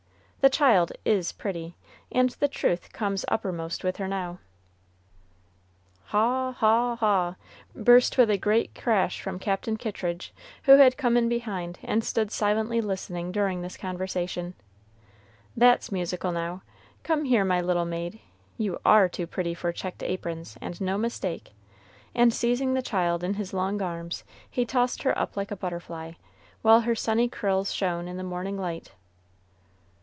The child is pretty, and the truth comes uppermost with her now." "Haw! haw! haw!" burst with a great crash from Captain Kittridge, who had come in behind, and stood silently listening during this conversation; "that's musical now; come here, my little maid, you are too pretty for checked aprons, and no mistake;" and seizing the child in his long arms, he tossed her up like a butterfly, while her sunny curls shone in the morning light.